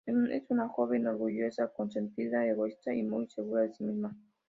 Es una joven orgullosa, consentida, egoísta y muy segura de sí misma.